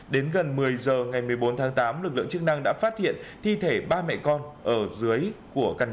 đến gần một mươi giờ ngày một mươi bốn tháng tám lực lượng chức năng đã phát hiện thi thể ba mẹ con ở dưới của căn nhà